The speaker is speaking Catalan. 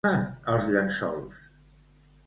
Què fan els llençols?